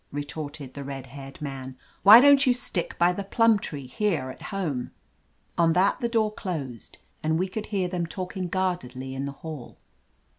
retorted the red haired man, "Why don't you stick by the plimi tree here at home?" On that the door closed, and we could hear them talking guardedly in the hall.